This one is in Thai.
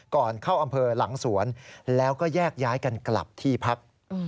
ก่อนเข้าอำเภอหลังสวนแล้วก็แยกย้ายกันกลับที่พัก